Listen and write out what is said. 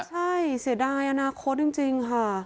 ใช่เสียดายอนาคตจริงค่ะ